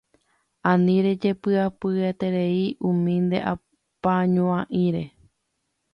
Ani rejepy'apyeterei umi ne apañuáire